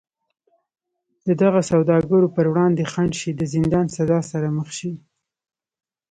د دغو سوداګرو پر وړاندې خنډ شي د زندان سزا سره مخ شي.